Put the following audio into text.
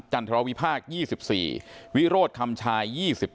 จันทรวรีภาค๒๔วิโรทคำชาย๒๘